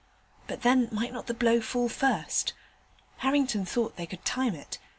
But then might not the blow fall first? Harrington thought they could time it.